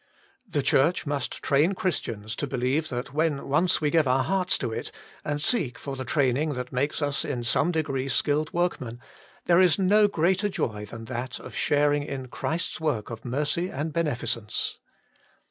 The Church must train Christians to believe that when once we give our hearts to it, and seek for the training that makes us in some de gree skilled workmen, there is no greater joy than that of sharing in Christ's work of mercy and beneficence.